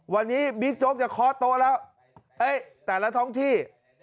วันนี้บิ๊กโจ๊กจะเคาะโต๊ะแล้วแต่ละท้องที่